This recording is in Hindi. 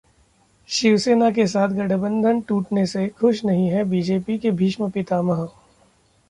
शिवसेना के साथ गठबंधन टूटने से खुश नहीं हैं बीजेपी के भीष्म पितामह